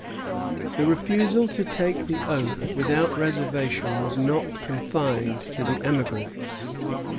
The refusal to take the oath without reservation was not confined to the emigrants.